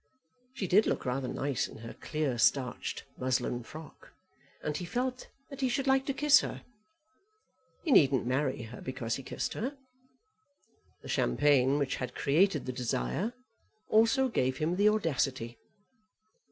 She did look rather nice in her clear starched muslin frock, and he felt that he should like to kiss her. He needn't marry her because he kissed her. The champagne which had created the desire also gave him the audacity.